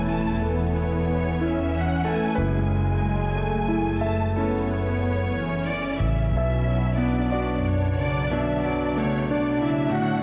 ibu bukan pembohong